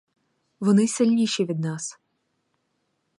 Вони сильніші від нас.